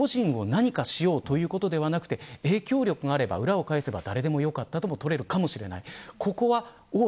誰が個人を何かしようということじゃなくて影響力があれば、裏を返せば誰でもよかったととれるかもしれない。